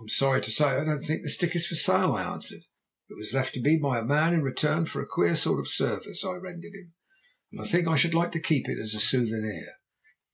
"'I'm sorry to say I don't think the stick is for sale,' I answered. 'It was left to me by a man in return for a queer sort of service I rendered him, and I think I should like to keep it as a souvenir.'